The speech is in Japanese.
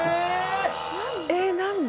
え何で？